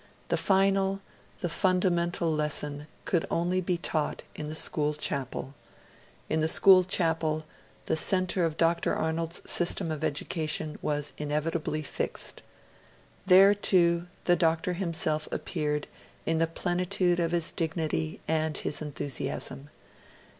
The final, the fundamental lesson could only be taught in the school chapel; in the school chapel the centre of Dr. Arnold's system of education was inevitably fixed. There, too, the Doctor himself appeared in the plenitude of his dignity and his enthusiasm.